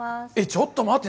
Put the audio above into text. ちょっと待って。